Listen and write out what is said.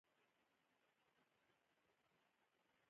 سیلانی ځایونه د افغانستان د شنو سیمو ښکلا ده.